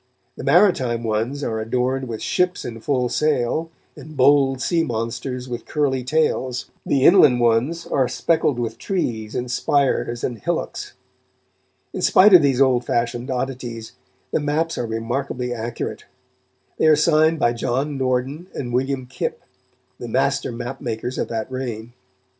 The maritime ones are adorned with ships in full sail, and bold sea monsters with curly tails; the inland ones are speckled with trees and spires and hillocks. In spite of these old fashioned oddities, the maps are remarkably accurate. They are signed by John Norden and William Kip, the master map makers of that reign.